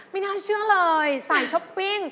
ไม่น่าเชื่อเลยสายช้อปปิ้ง